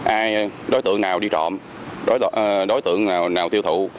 ai đối tượng nào đi trộm đối tượng nào tiêu thụ